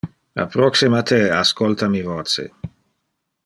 Approxima te e ascolta mi voce.